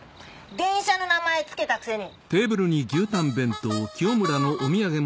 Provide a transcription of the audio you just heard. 電車の名前つけたくせに！